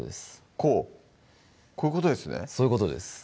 こういうことですねそういうことです